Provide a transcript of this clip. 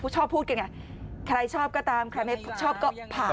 ชอบพูดกันไงใครชอบก็ตามใครไม่ชอบก็ผ่าน